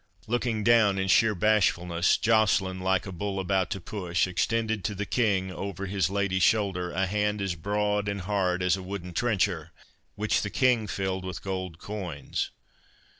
Looking down in sheer bashfulness, Joceline, like a bull about to push, extended to the King, over his lady's shoulder, a hand as broad and hard as a wooden trencher, which the King filled with gold coins.